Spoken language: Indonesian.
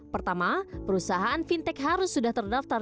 pertama perusahaan fintech harus sudah terdaftar